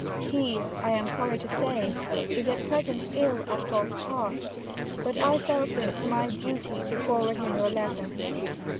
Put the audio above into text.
He, I am sorry to say, is at present ill at Falls Park, but I felt it my Duty to forward him your Letter.